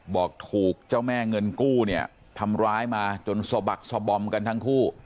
บอกถูกเจ้าแม่เงินกู้เนี่ยทำร้ายมาจนสะบักสบอมกันทั้งคู่